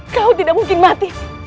kau tidak mungkin mati